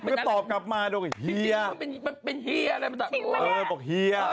นึกออกกลับมาโดนมันเป็นเฮีย